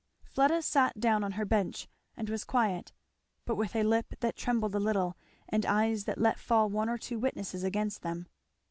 Fleda sat down on her bench and was quiet, but with a lip that trembled a little and eyes that let fall one or two witnesses against him.